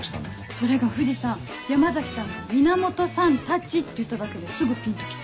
それが藤さん山崎さんが「源さんたち」って言っただけですぐピンと来て。